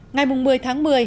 ngày một mươi tháng một mươi